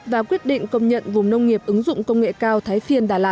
và quyết định công nhận vùng nông nghiệp ứng dụng công nghệ cao thái phiên đà lạt